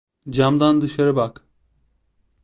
Camdan dışarı bak.